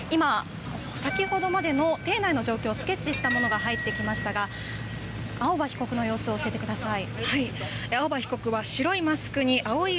先ほどまでの廷内の情報をスケッチしたものが入ってきましたが青葉被告の様子を教えてください。